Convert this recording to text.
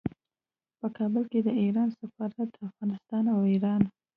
په کابل کې د ایران سفارت د افغانستان او ایران